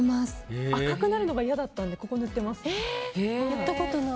赤くなるのが嫌だったので塗ってます。